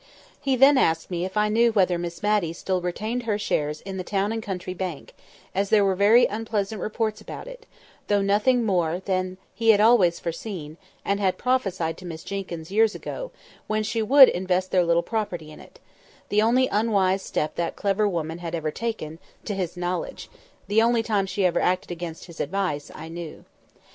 He then asked me if I knew whether Miss Matty still retained her shares in the Town and County Bank, as there were very unpleasant reports about it; though nothing more than he had always foreseen, and had prophesied to Miss Jenkyns years ago, when she would invest their little property in it—the only unwise step that clever woman had ever taken, to his knowledge (the only time she ever acted against his advice, I knew).